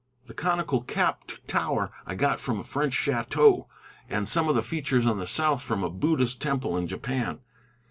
The conical capped tower I got from a French chateau, and some of the features on the south from a Buddhist temple in Japan.